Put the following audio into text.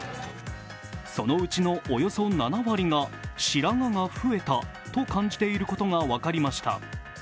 そのうちのおよそ７割が白髪が増えたと感じていることが分かりました。